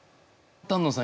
丹野さん